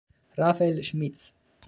Rafael Schmitz